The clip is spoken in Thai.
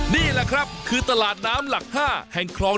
นี่แหละครับคือตลาดน้ำหลัก๕แห่งครองดำเนินที่นี่ครับ